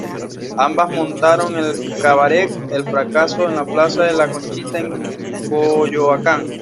Ambas montaron el cabaret "El Fracaso", en la Plaza de la Conchita en Coyoacán.